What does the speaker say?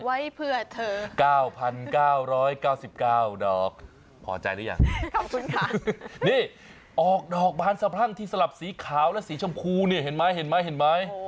ไว้เพื่อเธอ๙๙๙๙ดอกพอใจหรือยังนี่ออกดอกบานสะพรั่งที่สลับสีขาวและสีชมพูเนี่ยเห็นไหม